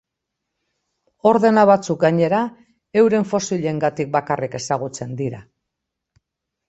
Ordena batzuk, gainera, euren fosilengatik bakarrik ezagutzen dira.